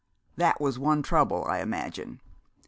That was one trouble, I imagine.